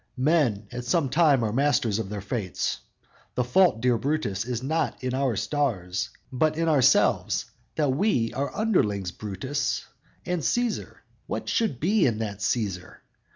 Men at some time are masters of their fates. The fault, dear Brutus, is not in our stars, But in ourselves, that we are underlings. Brutus and Cæsar; what should be in that Cæsar?